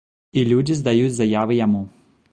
І людзі здаюць заявы яму.